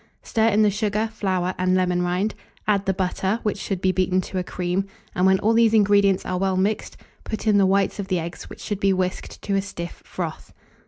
Stir in the sugar, flour, and lemon rind; add the butter, which should be beaten to a cream; and when all these ingredients are well mixed, put in the whites of the eggs, which should be whisked to a stiff froth.